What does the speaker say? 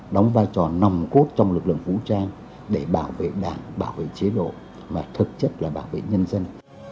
đóng vai trò nòng cốt trong lực lượng vũ trang để bảo vệ đảng bảo vệ chế độ mà thực chất là bảo vệ nhân dân